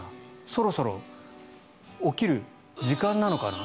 そろそろ起きる時間なのかな？